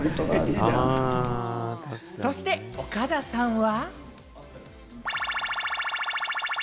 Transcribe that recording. そして岡田さんは？